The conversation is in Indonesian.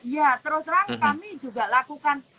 ya terus terang kami juga lakukan